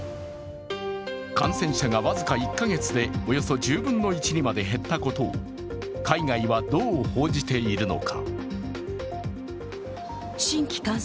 感染者が僅か１カ月でおよそ１０分の１にまで減ったことを海外はどう報じているのか。